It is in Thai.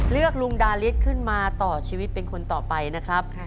ลุงดาริสขึ้นมาต่อชีวิตเป็นคนต่อไปนะครับ